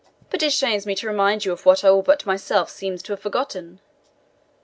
But it shames me to remind you of what all but myself seem to have forgotten.